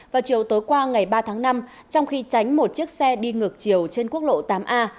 vào chiều tối qua ngày ba tháng năm trong khi tránh một chiếc xe đi ngược chiều trên quốc lộ tám a